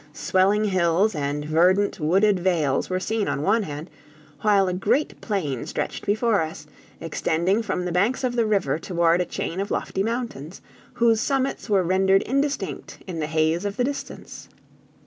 Swelling hills and verdant wooded vales were seen on one hand, while a great plain stretched before us, extending from the banks of the river toward a chain of lofty mountains, whose summits were rendered indistinct in the haze of the distance.